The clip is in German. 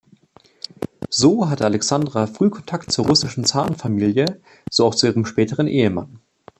So hatte Alexandra früh Kontakt zur russischen Zarenfamilie, so auch zu ihrem späteren Ehemann.